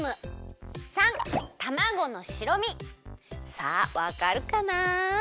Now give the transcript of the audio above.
さあわかるかな？